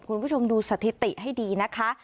คุณผู้ชมดูสถิติให้ดีนะคะ